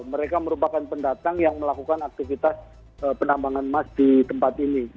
mereka merupakan pendatang yang melakukan aktivitas penambangan emas di tempat ini